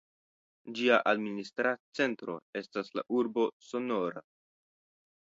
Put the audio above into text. Ĝia administra centro estas la urbo Sonora.